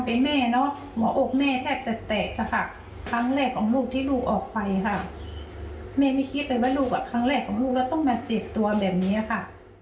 แม่ไม่คิดเลยว่าลูกครั้งแรกของลูกแล้วต้องมาจีบตัวแบบนี้ค่ะ